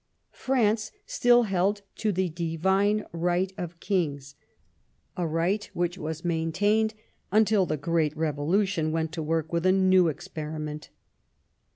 France still held to the divine right of kings — a right which was main tained until the great revolution went to work with a new experiment.